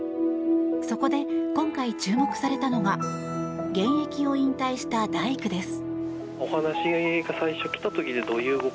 そこで今回注目されたのが現役を引退した大工です。